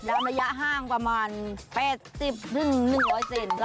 ดำระยะห้างประมาณ๘๐๑๐๐เซนติเซน